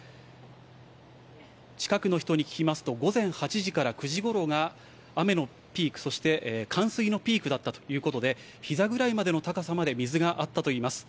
近くの人に聞きますと、午前８時から９時ごろが雨のピーク、そして冠水のピークだったということで、ひざぐらいまでの高さまで水があったといいます。